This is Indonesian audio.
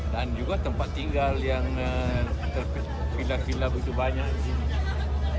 dan juga tempat tinggal yang terpilih pilih begitu banyak